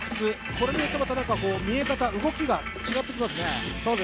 これによって見え方、動きが違ってきますね。